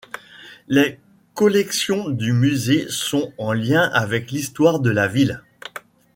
Les collections du musée sont en lien avec l'histoire de la ville.